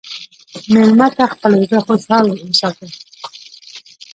مېلمه ته خپل زړه خوشحال وساته.